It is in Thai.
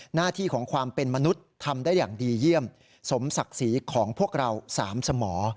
หน้าที่ของความเป็นมนุษย์ทำได้อย่างดีเยี่ยมสมศักดิ์ศรีของพวกเราสามสมอ